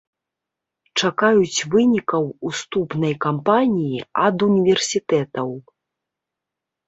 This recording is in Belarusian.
Чакаюць вынікаў уступнай кампаніі ад універсітэтаў.